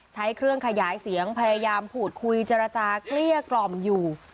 ใช้เครื่องขยายเสียงพยายามพูดคุยเจรจาเกลี้ยกล่อมอยู่